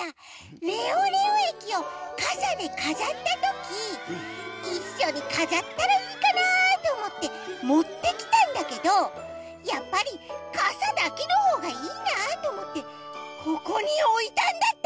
レオレオえきをかさでかざったときいっしょにかざったらいいかなとおもってもってきたんだけどやっぱりかさだけのほうがいいなとおもってここにおいたんだった！